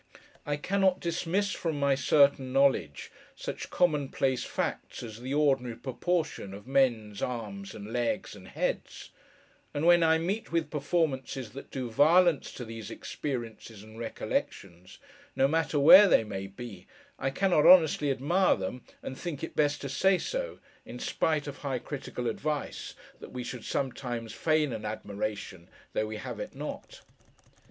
I cannot dismiss from my certain knowledge, such commonplace facts as the ordinary proportion of men's arms, and legs, and heads; and when I meet with performances that do violence to these experiences and recollections, no matter where they may be, I cannot honestly admire them, and think it best to say so; in spite of high critical advice that we should sometimes feign an admiration, though we have it not.